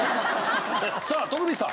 さあ徳光さん